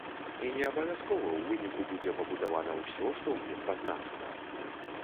І не абавязкова ў выніку будзе пабудавана ўсё, што ў ім пазначана.